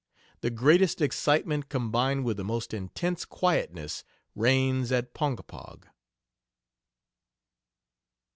The greatest excitement combined with the most intense quietness reigns at Ponkapog."